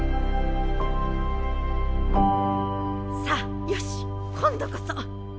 さあよし今度こそ！